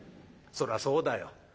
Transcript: そらそうだよ。